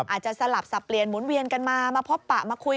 สลับสับเปลี่ยนหมุนเวียนกันมามาพบปะมาคุย